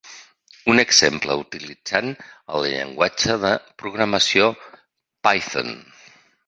Un exemple utilitzant el llenguatge de programació Python.